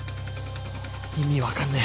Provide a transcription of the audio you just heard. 意味わかんねえ。